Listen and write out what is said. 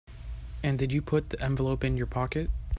And did you put the envelope in your pocket?